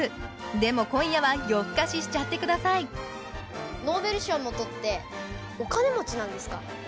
でも今夜は夜ふかししちゃってくださいノーベル賞も取ってお金持ちなんですか？